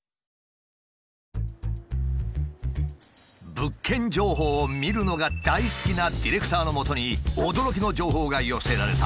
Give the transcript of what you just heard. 物件情報を見るのが大好きなディレクターのもとに驚きの情報が寄せられた。